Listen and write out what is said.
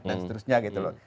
dan seterusnya gitu loh